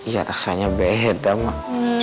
ya rasanya beda mak